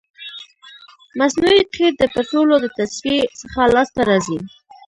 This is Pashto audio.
مصنوعي قیر د پطرولو د تصفیې څخه لاسته راځي